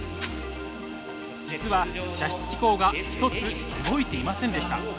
実は射出機構が１つ動いていませんでした。